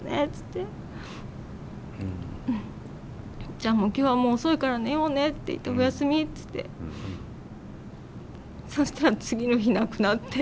「じゃあ今日はもう遅いから寝ようね」って言って「おやすみ」つってそしたら次の日亡くなって。